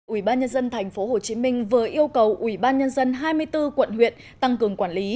ủy ban nhân dân tp hcm vừa yêu cầu ủy ban nhân dân hai mươi bốn quận huyện tăng cường quản lý